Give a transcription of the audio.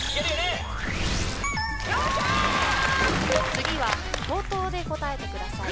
［次は口頭で答えてください］